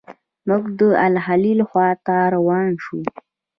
موږ د الخلیل خواته روان شوو.